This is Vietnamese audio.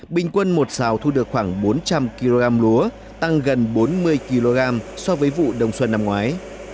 bình quân một sào thu được khoảng bốn trăm linh kg lúa tăng gần bốn mươi kg so với vụ đông xuân năm ngoái